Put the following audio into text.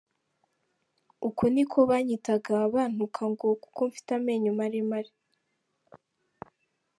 Uko “Niko banyitaga bantuka ngo kuko mfite amenyo maremare.